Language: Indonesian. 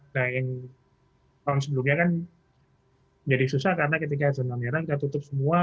nah yang tahun sebelumnya kan jadi susah karena ketika zona merah kita tutup semua